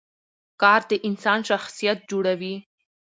کار د انسان شخصیت جوړوي